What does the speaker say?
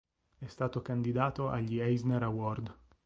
È stato candidato agli Eisner Award.